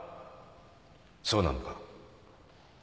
そうなのか？